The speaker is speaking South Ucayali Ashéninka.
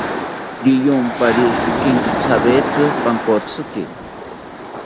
Riyompari ikenkithawetzi pankotziki